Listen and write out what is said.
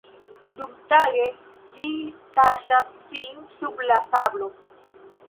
Dumtage ĝi kaŝas sin sub la sablo.